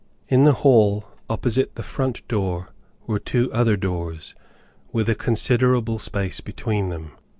In the hall opposite the front door were two other doors, with a considerable space between them.